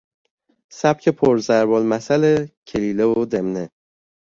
سبک پر ضرب المثل کلیله و دمنه